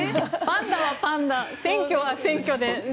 パンダはパンダ、選挙は選挙で。